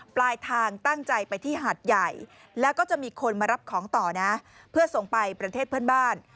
ปลายทางตั้งใจไปที่หาดใหญ่แล้วก็จะมีคนมารับของต่อนะเพื่อส่งไปประเทศเพื่อนบ้าน